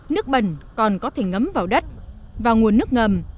nước bẩn còn có thể ngấm vào đất và nguồn nước ngầm